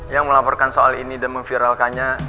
yang melaporkan soal ini dan memviralkannya